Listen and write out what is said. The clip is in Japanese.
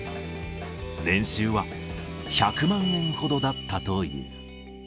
年収は１００万円ほどだったという。